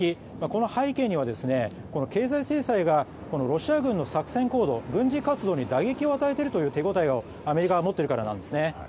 この背景には経済制裁がロシア軍の作戦行動軍事活動に打撃を与えているという手応えをアメリカが持っているからなんですね。